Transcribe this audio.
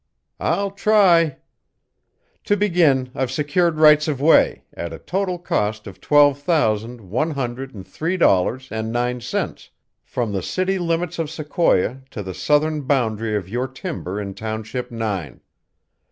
"I'll try. To begin, I've secured rights of way, at a total cost of twelve thousand, one hundred and three dollars and nine cents, from the city limits of Sequoia to the southern boundary of your timber in Township Nine.